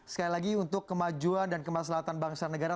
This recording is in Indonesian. sekali lagi untuk kemajuan dan kemaslahan bangsa negara